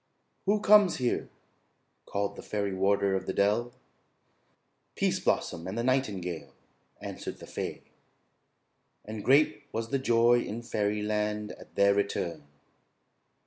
"Who comes here?" called the fairy warder of the dell. "Pease Blossom and the nightingale," answered the fay; and great was the joy in fairyland at their return.